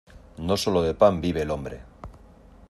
No solo de pan vive el hombre.